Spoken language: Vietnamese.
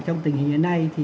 trong tình hình hiện nay